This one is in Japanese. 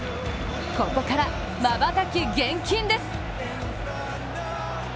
ここから、まばたき厳禁です。